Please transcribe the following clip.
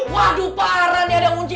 waduh parah nih ada yang muncul